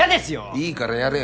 いいからやれよ。